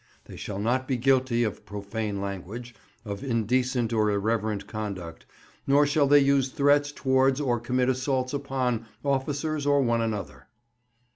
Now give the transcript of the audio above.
They shall not be guilty of profane language, of indecent or irreverent conduct, nor shall they use threats towards or commit assaults upon officers or one another.